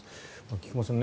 菊間さん